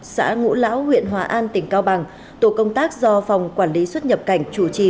xã ngũ lão huyện hòa an tỉnh cao bằng tổ công tác do phòng quản lý xuất nhập cảnh chủ trì